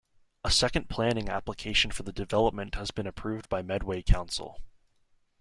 A second planning application for the development has been approved by Medway Council.